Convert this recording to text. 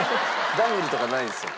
ダブルとかないんですよ。